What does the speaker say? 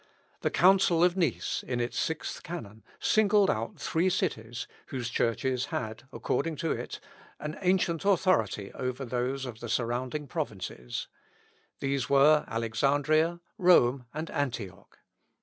The Council of Nice, in its Sixth Canon, singled out three cities, whose churches had, according to it, an ancient authority over those of the surrounding provinces; these were Alexandria, Rome, and Antioch.